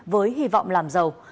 với hy vọng làm giàu